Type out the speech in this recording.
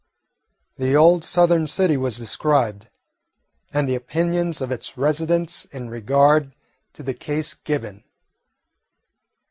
The old Southern city was described, and the opinions of its residents in regard to the case given.